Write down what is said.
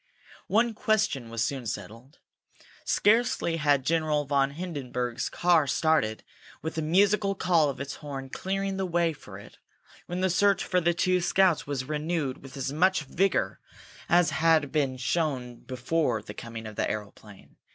One question was soon settled. Scarcely had General von Hindenburg's car started, with the musical call of its horn clearing the way for it, when the search for the two scouts was renewed with as much vigor as had been shown before the coming of the aeroplane.